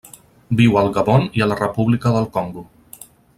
Viu al Gabon i la República del Congo.